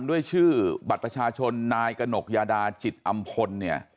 ด้วยชื่อบัตรประชาชนนายกนกยาดาจิตอำพล